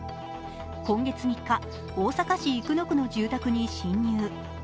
今月３日、大阪市生野区の住宅に侵入。